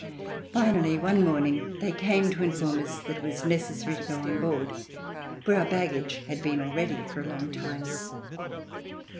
Finally one morning they came to inform us that it was necessary to go on board, where our baggage had been already for a long time.